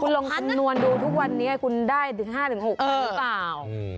คุณลองคำนวณดูทุกวันนี้คุณได้ถึง๕๖๐๐หรือเปล่า